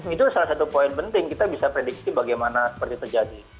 itu salah satu poin penting kita bisa prediksi bagaimana seperti terjadi